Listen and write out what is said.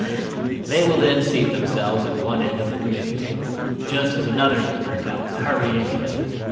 '" They will then seat themselves at one end of the committee table, just as another member comes hurrying in.